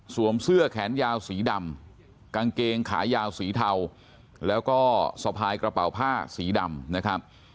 เสื้อแขนยาวสีดำกางเกงขายาวสีเทาแล้วก็สะพายกระเป๋าผ้าสีดำนะครับ